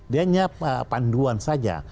dia hanya panduan saja